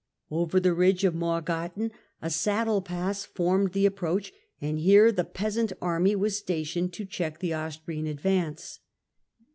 Over the ridge of Morgarten a saddle pass formed the approach, and here the peasant army was stationed to check the Austrian advance.